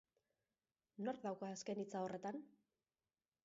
Nork dauka azken hitza horretan?